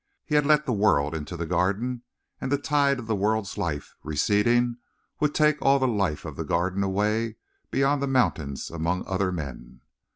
He had let the world into the Garden, and the tide of the world's life, receding, would take all the life of the Garden away beyond the mountains among other men.